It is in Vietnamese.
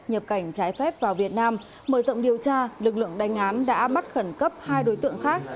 nhập cảnh trái phép vào việt nam mở rộng điều tra lực lượng đánh án đã bắt khẩn cấp hai đối tượng khác